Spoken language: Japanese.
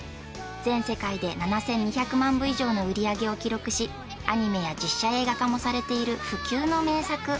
全世界で７２００万部以上の売り上げを記録しアニメや実写映画化もされている不朽の名作